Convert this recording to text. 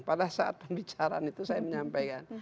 pada saat pembicaraan itu saya menyampaikan